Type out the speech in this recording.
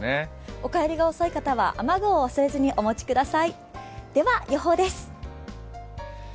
お帰りが遅い方は雨具を忘れずにお持ちください。